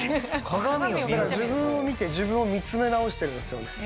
自分を見て自分を見つめ直してるんですよ。